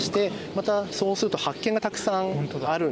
またそうすると発見がたくさんあるんですね。